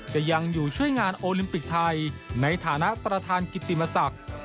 จะยังอยู่ช่วยงานโอลิมปิกไทยในฐานะประธานกิติมศักดิ์